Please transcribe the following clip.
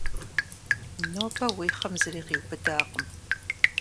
Нобэ уи хъым зыри къиубыдакъым.